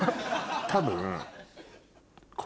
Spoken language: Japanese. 多分。